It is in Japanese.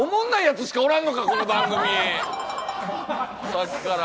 さっきから。